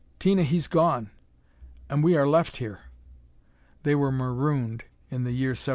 "Tina, he's gone. And we are left here!" They were marooned in the year 1777!